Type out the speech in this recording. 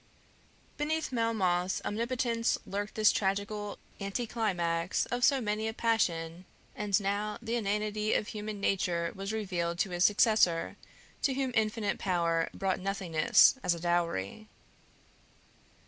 Beneath Melmoth's omnipotence lurked this tragical anticlimax of so many a passion, and now the inanity of human nature was revealed to his successor, to whom infinite power brought Nothingness as a dowry.